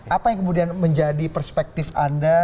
apa yang kemudian menjadi perspektif anda